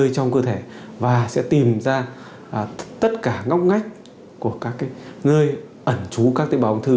đi vào trong cơ thể và sẽ tìm ra tất cả ngóc ngách của các ngơi ẩn trú các tế bào ung thư